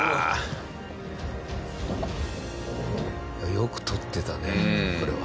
よく撮ってたねこれは。